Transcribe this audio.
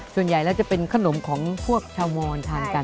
ส่วนใหญ่แล้วจะเป็นขนมของพวกชาวมอนทานกัน